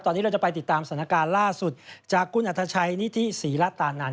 ตอนนี้เราจะไปติดตามสถานการณ์ล่าสุดจากคุณอัธชัยนิธิศรีละตานัน